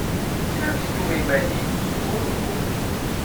Sers tura iman-ik, sgunfu.